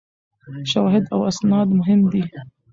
شواهد او اسناد مهم دي.